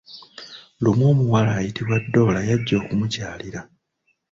Lumu omuwala ayitibwa Doola yajja okumukyalira.